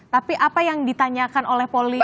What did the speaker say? tapi apa yang ditanyakan oleh polisi